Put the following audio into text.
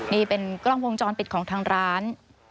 นี่เป็นกล้องวงจรปิดของทางร้าน